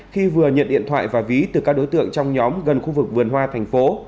khi vừa nhận điện thoại và ví từ các đối tượng trong nhóm gần khu vực vườn hoa thành phố